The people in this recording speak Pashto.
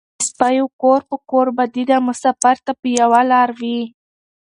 ـ د سپيو کور په کور بدي ده مسافر ته په يوه لار وي.